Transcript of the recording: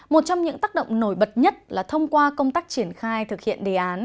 một trong những tác động nổi bật nhất là thông qua công tác triển khai thực hiện đề án